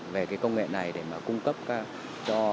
về cái công nghệ này để mà cung cấp cho